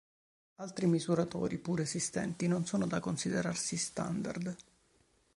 Altri misuratori, pur esistenti, non sono da considerarsi standard.